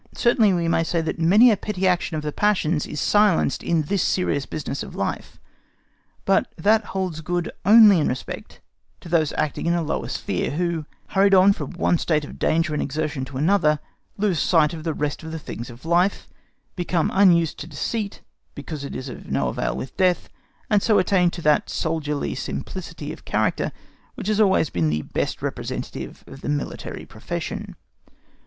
Certainly we may say that many a petty action of the passions is silenced in this serious business of life; but that holds good only in respect to those acting in a lower sphere, who, hurried on from one state of danger and exertion to another, lose sight of the rest of the things of life, become unused to deceit, because it is of no avail with death, and so attain to that soldierly simplicity of character which has always been the best representative of the military profession.